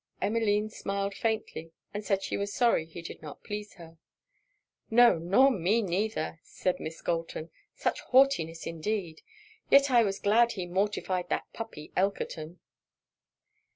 Emmeline smiled faintly, and said she was sorry he did not please her. 'No, nor me neither,' said Miss Galton. 'Such haughtiness indeed! yet I was glad he mortified that puppy Elkerton.'